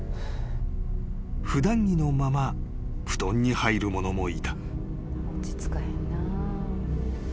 ［普段着のまま布団に入る者もいた］